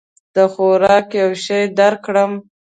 د خوراک یو شی درکړم؟